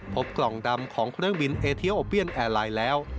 พบกล่องดำของเครื่องบินเอเทียลโอเบียนแอร์ไลน์แล้ว